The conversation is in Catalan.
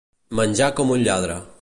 Menjar com un lladre.